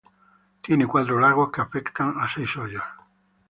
Tiene cuatro lagos que afectan a seis hoyos.